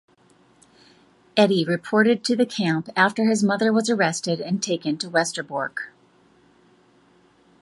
Eddy reported to the camp after his mother was arrested and taken to Westerbork.